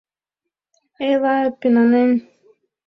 Эйла ПЕННАНЕН